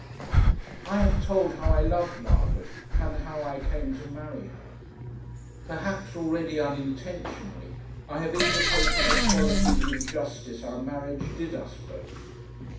I have told how I loved Margaret and how I came to marry her. Perhaps already unintentionally I have indicated the quality of the injustice our marriage did us both.